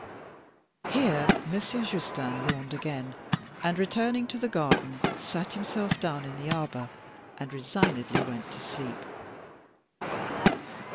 Here Monsieur Justin yawned again, and, returning to the garden, sat himself down in an arbor and resignedly went to sleep.